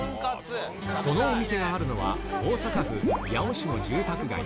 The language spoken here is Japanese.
そのお店があるのは、大阪府八尾市の住宅街。